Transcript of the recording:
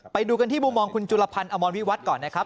ไปดูกันที่มุมมองคุณจุลพันธ์อมรวิวัตรก่อนนะครับ